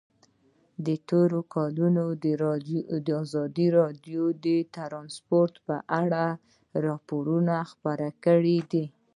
په تېرو کلونو کې ازادي راډیو د ترانسپورټ په اړه راپورونه خپاره کړي دي.